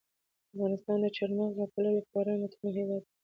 افغانستان د چار مغز له پلوه یو خورا متنوع هېواد دی.